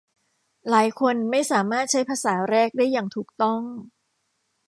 หลายคนไม่สามารถใช้ภาษาแรกได้อย่างถูกต้อง